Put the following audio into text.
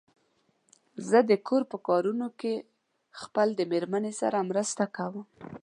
زه د کور په کارونو کې خپل د مېرمن سره مرسته کوم.